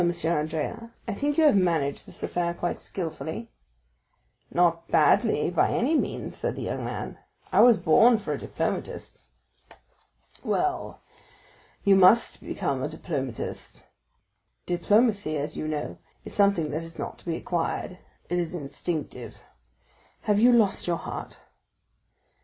Andrea, I think you have managed this affair rather skilfully?" "Not badly, by any means," said the young man; "I was born for a diplomatist." "Well, you must become a diplomatist; diplomacy, you know, is something that is not to be acquired; it is instinctive. Have you lost your heart?"